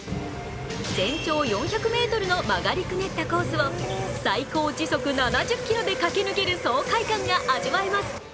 全長４００ｍの曲がりくねったコースを最高時速７０キロで駆け抜ける爽快感が味わえます。